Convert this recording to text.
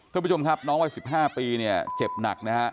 คุณผู้ชมครับน้องวัน๑๕ปีเจ็บหนัก